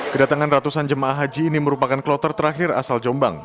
kedatangan ratusan jemaah haji ini merupakan kloter terakhir asal jombang